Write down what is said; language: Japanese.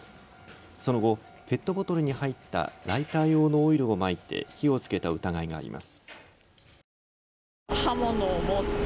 その後、ペットボトルに入ったライター用のオイルをまいて火をつけた疑いがあります。